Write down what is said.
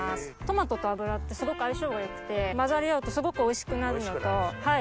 トマトと油ってすごく相性が良くて混ざり合うとすごくおいしくなるのと。